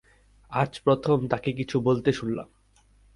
আজ প্রথম তাকে কিছু বলতে শুনলাম।